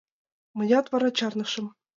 — Мыят вара чарнышым.